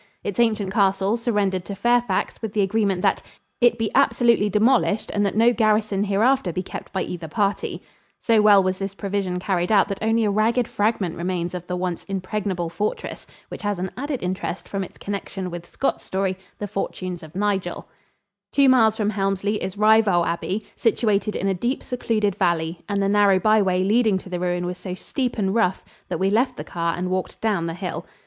Its ancient castle surrendered to Fairfax with the agreement that "it be absolutely demolished and that no garrison hereafter be kept by either party." So well was this provision carried out that only a ragged fragment remains of the once impregnable fortress, which has an added interest from its connection with Scott's story, "The Fortunes of Nigel" Two miles from Helmsley is Rievaulx Abbey, situated in a deep, secluded valley, and the narrow byway leading to the ruin was so steep and rough that we left the car and walked down the hill.